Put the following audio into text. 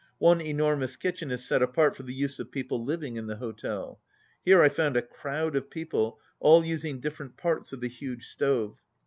One enormous kitchen is set apart for the use of people living in the hotel. Here I found a crowd of people, all using different parts of the huge stove.